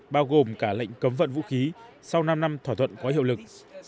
bao gồm cả lệnh cấm vận vũ khí sau năm năm thỏa thuận có hiệu lực